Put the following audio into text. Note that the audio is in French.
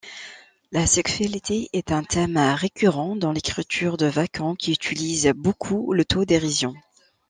La sexualité est un thème récurrent dans l'écriture de Vachon qui utilise beaucoup l'auto-dérision.